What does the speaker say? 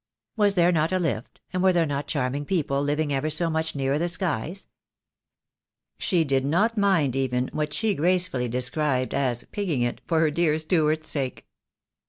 Was there not a lift, and were there not charming people living ever so much nearer the skies? She did not mind even what she gracefully described as "pigging it," for her dear Stuart's sake.